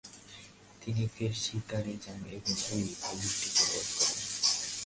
তিনি ফের শিকারে যান এবং ঐ ভালুকটিকে বধ করেন।